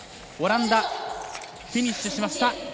オランダ、フィニッシュしました。